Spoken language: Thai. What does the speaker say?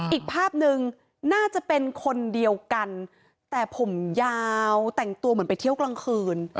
อีกภาพหนึ่งน่าจะเป็นคนเดียวกันแต่ผมยาวแต่งตัวเหมือนไปเที่ยวกลางคืน